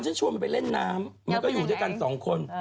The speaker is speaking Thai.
เดี๋ยวมีคราวนี้เดี๋ยวว่ากัน